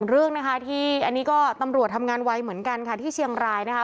เรื่องนะคะที่อันนี้ก็ตำรวจทำงานไวเหมือนกันค่ะที่เชียงรายนะคะ